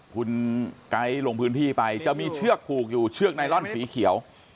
คุณไก๊ลงพื้นที่ไปจะมีเชือกผูกอยู่เชือกไนลอนสีเขียว